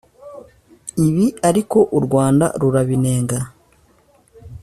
Ibi ariko u Rwanda rurabinenga